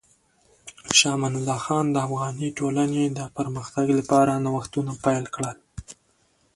شاه امان الله خان د افغاني ټولنې د پرمختګ لپاره نوښتونه پیل کړل.